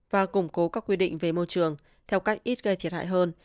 và củng cố các quy định về môi trường theo cách ít gây thiệt hại hơn